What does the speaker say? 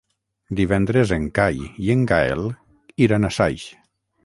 Divendres en Cai i en Gaël iran a Saix.